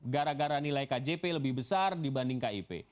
gara gara nilai kjp lebih besar dibanding kip